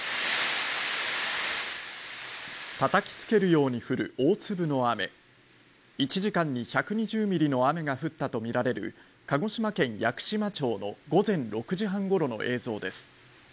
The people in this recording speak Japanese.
たたきつけるように降る大粒の雨１時間に１２０ミリの雨が降ったと見られる鹿児島県屋久島町の午前６時半ごろの映像です